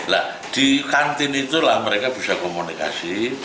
nah di kantin itulah mereka bisa komunikasi